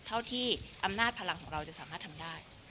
เท่าที่อำนาจพลังของเราจะสามารถทำได้